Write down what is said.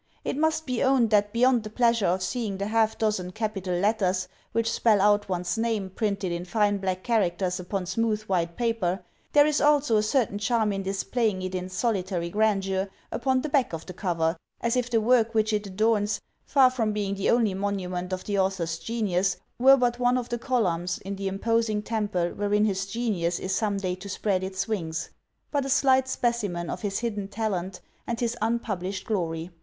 It must be owned that beyond the pleasure of see ing the half dozen capital letters which spell out one's name printed in fine black characters upon smooth white paper, there is also a certain charm in displaying it in solitary grandeur upon the back of the cover, as if the work which it adorns, far from being the only monument of the author's genius, were but one of the columns in the imposing temple wherein his genius is some day to spread its wings, but a slight specimen of his hidden talent and his unpublished glory.